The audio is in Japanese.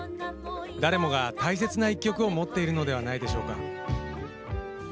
誰もが大切な１曲を持っているのではないでしょうか。